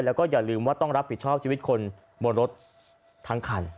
แล้วก็อย่าลืมว่าต้องรับผิดชอบชีวิตคนบนรถทั้งคัน